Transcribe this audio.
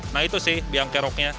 nah itu sih biang keroknya